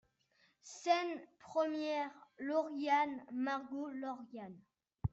Scène première Lauriane, Margot Lauriane.